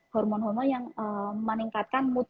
hormon hormon yang meningkatkan mood